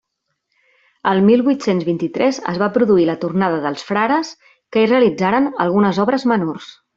El mil huit-cents vint-i-tres es va produir la tornada dels frares, que hi realitzaren algunes obres menors.